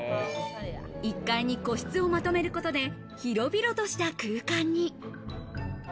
１階に個室をまとめることで広々とした空間に。